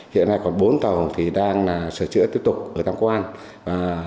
hiện nay còn bốn tàu thì đang sửa chữa tiếp tục ở nam quang